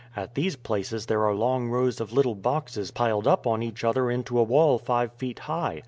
At these places there are long rows of little boxes piled up on each other into a wall five feet high.